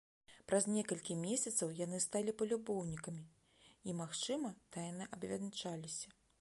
Праз некалькі месяцаў яны сталі палюбоўнікамі і, магчыма, тайна абвянчаліся.